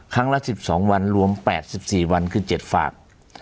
ครั้งละ๑๒วันรวม๘๔วันคือ๗ฝาก